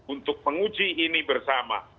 untuk menguji ini bersama